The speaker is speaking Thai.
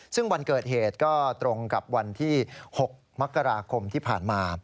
ซึ่งวันเกิดเหตุก็ตรงกับวันที่๖มกราคมที่ผ่านมา